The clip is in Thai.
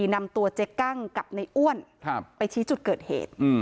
นำตัวเจ๊กั้งกับในอ้วนไปชี้จุดเกิดเหตุ